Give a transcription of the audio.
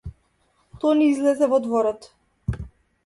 Тони излезе во дворот.